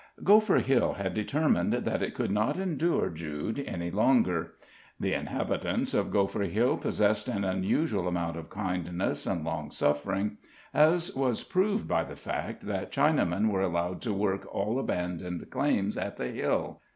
Gopher Hill had determined that it could not endure Jude any longer. The inhabitants of Gopher Hill possessed an unusual amount of kindness and long suffering, as was proved by the fact that Chinamen were allowed to work all abandoned claims at the Hill.